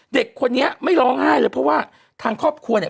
เด็กคนนี้ไม่ร้องไห้เลยเพราะว่าทางครอบครัวเนี่ย